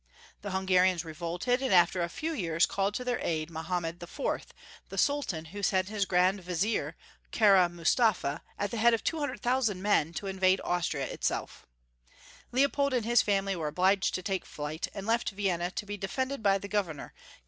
The Hungarians revolted, and after a few years called in to their aid Mahommed IV., the Sul tan who sent his Grand Vizier, Kara Mustafa, at the head of 200,000 men, to invade Austria itself. Leopold and his family were obliged to take flight, and left Vienna to be defended by the governor.